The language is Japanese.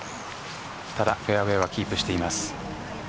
ただフェアウエーはキープしています。